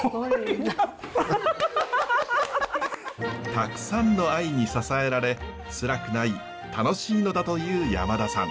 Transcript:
たくさんの愛に支えられつらくない楽しいのだという山田さん。